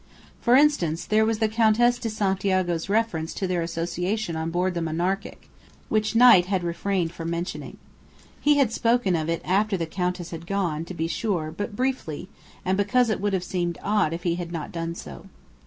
For instance, there was the Countess de Santiago's reference to their association on board the Monarchic, which Knight had refrained from mentioning. He had spoken of it after the Countess had gone, to be sure; but briefly, and because it would have seemed odd if he had not done so.